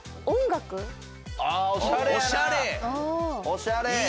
おしゃれ！